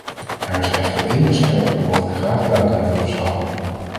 Er is echter één aspect waarover ik graag duidelijkheid wil verschaffen.